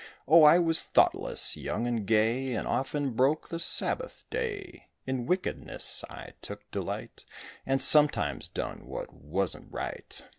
Oh, I was thoughtless, young, and gay And often broke the Sabbath day, In wickedness I took delight And sometimes done what wasn't right.